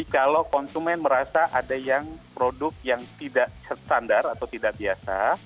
kalau konsumen merasa ada yang produk yang tidak standar atau tidak biasa